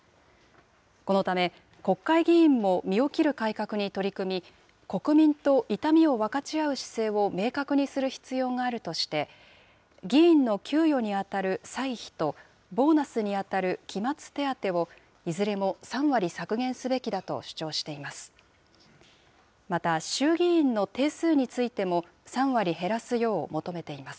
このため、国会議員も身を切る改革に取り組み、国民と痛みを分かち合う姿勢を明確にする必要があるとして、議員の給与に当たる歳費とボーナスに当たる期末手当を、いずれも３割削減すべきだと主張しています。